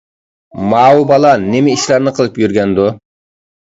ماۋۇ بالا نېمە ئىشلارنى قىلىپ يۈرگەندۇ؟